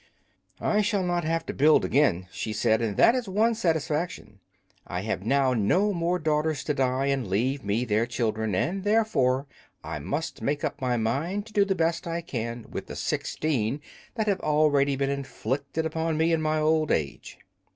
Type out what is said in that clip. "I shall not have to build again," she said; "and that is one satisfaction. I have now no more daughters to die and leave me their children, and therefore I must make up my mind to do the best I can with the sixteen that have already been inflicted upon me in my old age."